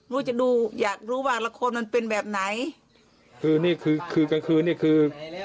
รู้จะดูอยากรู้ว่าละครมันเป็นแบบไหนคือนี่คือกลางคืนนี่คือ